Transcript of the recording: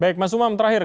baik mas blam terakhir